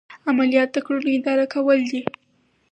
عملیات د کړنو اداره کول دي.